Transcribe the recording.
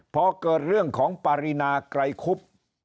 พอเกิดเรื่องของปรินาไกรคุบ